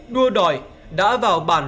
đua đòi đã vào bản